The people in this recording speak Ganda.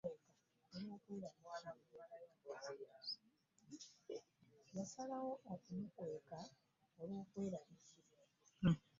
Luno lwe gujja okuddamu okuwulira omusango gwe